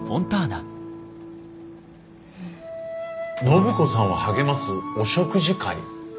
暢子さんを励ますお食事会？